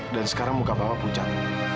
dan sekarang muka bapak pucat